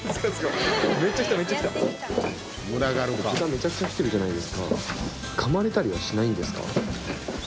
めちゃくちゃ来てるじゃないですか。